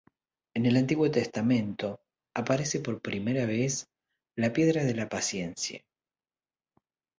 En el Antiguo Testamento aparece por primera vez la Piedra de la Paciencia.